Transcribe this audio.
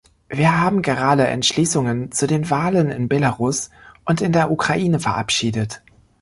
Wir haben gerade Entschließungen zu den Wahlen in Belarus und in der Ukraine verabschiedet.